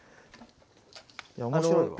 いや面白いわ。